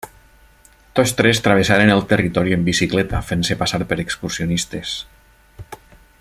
Tots tres travessaren el territori en bicicleta fent-se passar per excursionistes.